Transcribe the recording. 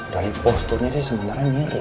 dari posturnya sih sebenarnya mirip